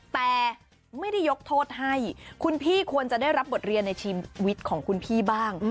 แต่ไม่ได้ยกโทษให้คุณพี่ควรจะได้รับบทเรียนในชีวิตของคุณพี่บ้าง